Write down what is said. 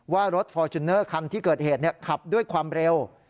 ว่ารถฟอร์จูเนอร์คันที่เกิดเหตุขับด้วยความเร็ว